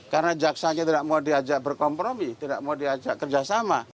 karena jaksanya tidak mau diajak berkompromi tidak mau diajak kerjasama